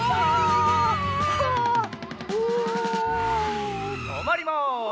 うわあ！とまります。